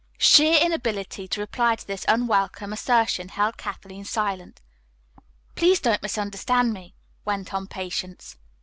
Sheer inability to reply to this unwelcome assertion held Kathleen silent. "Please don't misunderstand me," went on Patience.